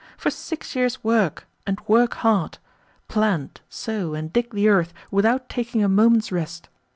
For six years work, and work hard. Plant, sow, and dig the earth without taking a moment's rest.